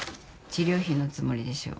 治療費のつもりでしょ。